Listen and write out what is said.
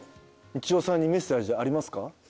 道尾さんにメッセージありますか？